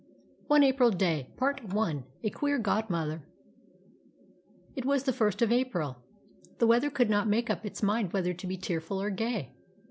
ONE APRIL DAY PART I A QUEER GODMOTHER It was the First of April. The weather could not make up its mind whether to be tearful or gay.